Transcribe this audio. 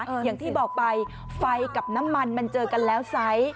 อย่างที่บอกไปไฟกับน้ำมันมันเจอกันแล้วไซส์